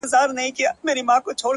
• ها د ښكلا شاپېرۍ هغه د سكون سهزادگۍ،